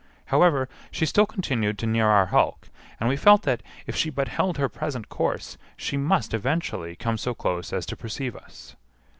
However, she still continued to near our hulk, and we felt that, if she but held her present course, she must eventually come so close as to perceive us.